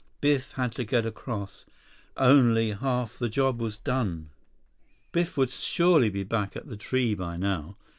Biff had to get across. Only half the job was done. Biff would surely be back at the tree by now.